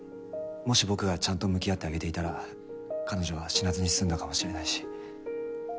もし僕がちゃんと向き合ってあげていたら彼女は死なずに済んだかもしれないし。